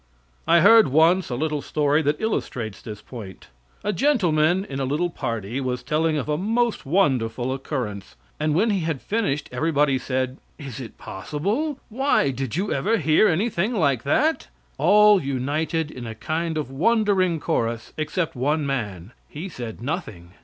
I heard once a little story that illustrates this point: A gentleman in a little party was telling of a most wonderful occurrence, and when he had finished everybody said: "Is it possible? Why, did you ever hear anything like that?" All united in a kind of wondering chorus except one man. He said nothing.